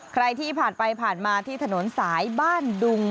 ใครที่ผ่านไปผ่านมาที่ถนนสายบ้านดุง